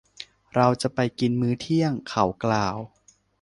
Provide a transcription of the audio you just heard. เราจะไปกินมื้อเที่ยง เขากล่าว